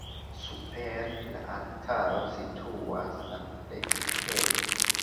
Super la altaro situas la predikejo.